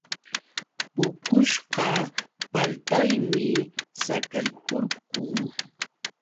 Puqushqa paltaymi saqaykurqun.